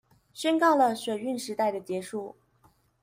宣告了水運時代的結束